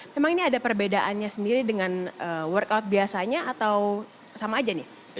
memang ini ada perbedaannya sendiri dengan workout biasanya atau sama aja nih